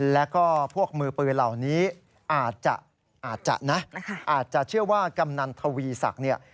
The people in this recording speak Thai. และก็พวกมือปืนเหล่านี้อาจจะเชื่อว่ากำนันทวีศักดิ์